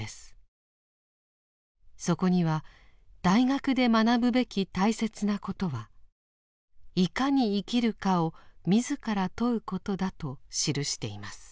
そこには大学で学ぶべき大切なことは「如何に生きるか」を自ら問うことだと記しています。